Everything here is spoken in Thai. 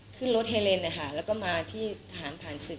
ขึ้นรถเฮเลนนะคะแล้วก็มาที่ทหารผ่านศึก